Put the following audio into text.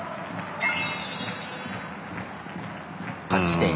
勝ち点１。